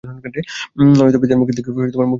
ললিতা পিতার মুখের দিকে মুখ তুলিয়া কহিল, পারব।